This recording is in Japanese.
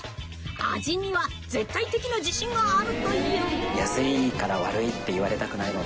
味には絶対的な自信があるという。